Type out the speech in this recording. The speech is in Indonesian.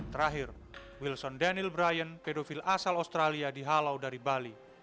terakhir wilson daniel brian pedofil asal australia dihalau dari bali